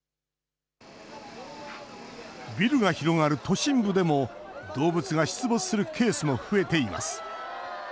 ビルが広がる都心部でも、動物が出没するケースも増えています。